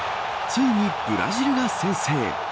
ついにブラジルが先制。